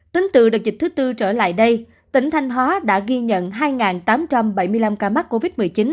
tính từ đợt dịch thứ tư trở lại đây tỉnh thanh hóa đã ghi nhận hai tám trăm bảy mươi năm ca mắc covid một mươi chín